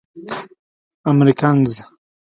امريکنز.